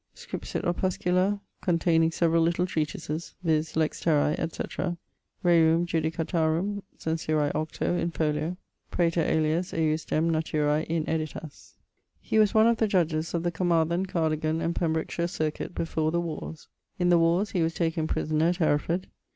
Scripsit Opuscula, contayning severall little treatises, viz. Lex terrae, etc.; Rerum judicatarum censurae octo, in folio; praeter alias ejusdem naturae ineditas. He was one of the judges of the Carmarthen, Cardigan, and Pembrokeshire circuit before the wars. In the warres he was taken prisoner at Hereford.